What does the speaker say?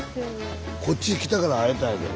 こっち来たから会えたやけど。